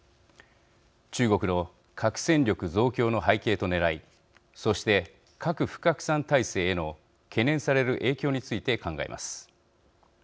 中国の核戦力増強の背景とねらいそして核不拡散体制への懸念される影響について考えます。